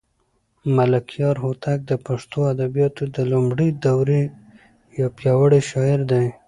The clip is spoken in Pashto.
ملکیار هوتک د پښتو ادبیاتو د لومړنۍ دورې یو پیاوړی شاعر دی.